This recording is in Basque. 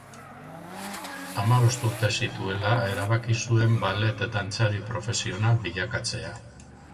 Hamabost urte zituela erabaki zuen ballet dantzari profesional bilakatzea.